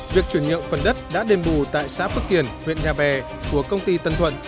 việc chuyển nhượng phần đất đã đền bù tại xã phước kiển huyện nhà bè của công ty tân thuận